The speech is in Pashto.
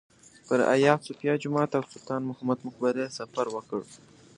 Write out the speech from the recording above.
پر ایا صوفیه جومات او سلطان محمود مقبره یې سفر وکړ.